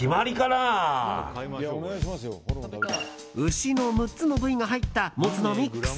牛の６つの部位が入ったモツのミックス。